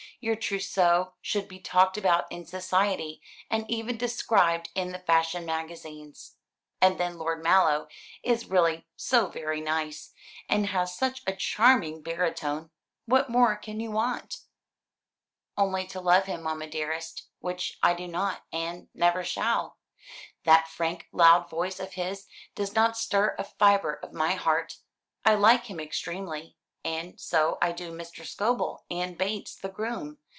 Your trousseau should be talked about in society, and even described in the fashion magazines. And then Lord Mallow is really so very nice and has such a charming baritone what more can you want?" "Only to love him, mamma dearest, which I do not, and never shall. That frank loud voice of his does not stir a fibre of my heart. I like him extremely, and so I do Mr. Scobel, and Bates the groom.